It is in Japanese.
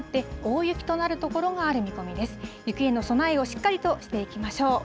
雪への備えをしっかりとしていきましょう。